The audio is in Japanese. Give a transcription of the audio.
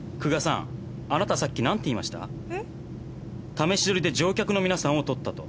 「試し撮りで乗客の皆さんを撮った」と。